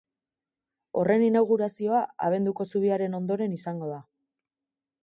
Horren inaugurazioa abenduko zubiaren ondoren izango da.